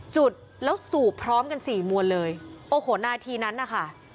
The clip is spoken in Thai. จุดแล้วสูบพร้อมกันสี่มวลเลยโอ้โหนาทีนั้นนะคะ